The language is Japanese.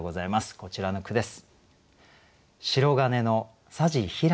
こちらの句です。